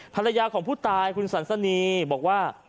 ภรรยาของผู้ตายคุณสันสนีบอกว่า